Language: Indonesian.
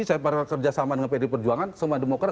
saya pernah kerjasama dengan pd perjuangan suma demokrat